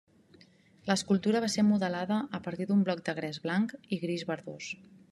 L'escultura va ser modelada a partir d'un bloc de gres blanc i gris verdós.